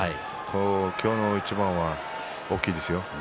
今日の一番は大きいですよ。